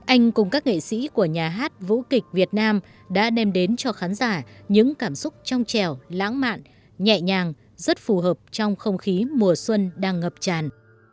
anh cùng các nghệ sĩ của nhà hát vũ kịch việt nam đã đem đến cho khán giả những cảm xúc trong trẻo lãng mạn nhẹ nhàng rất phù hợp trong không khí mùa xuân đang ngập tràn